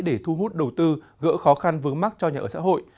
để thu hút đầu tư gỡ khó khăn vướng mắt cho nhà ở xã hội